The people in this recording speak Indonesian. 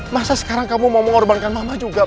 masa sekarang kamu mau mengorbankan mama juga